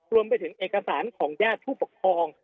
รวมไปถึงเอกสารของญาติผู้ปกครอง